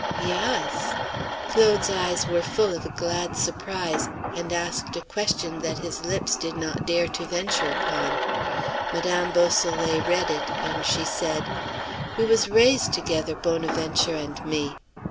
"Yass." Claude's eyes were full of a glad surprise, and asked a question that his lips did not dare to venture upon. Madame Beausoleil read it, and she said: "We was raise' together, Bonaventure and me."